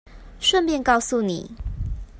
順便告訴你